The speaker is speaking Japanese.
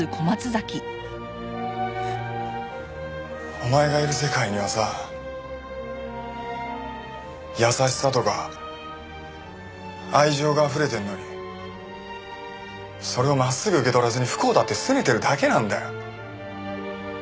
お前がいる世界にはさ優しさとか愛情があふれてるのにそれを真っすぐ受け取らずに不幸だってすねてるだけなんだよ。